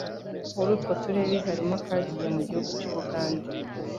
Muri utwo turere harimo akagiye mu gihugu cy'Ubugande.